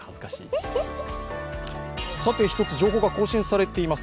１つ情報が更新されています。